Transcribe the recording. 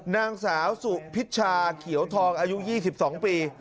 นางสาวสุพิชชาเขียวทองอายุ๒๒ปี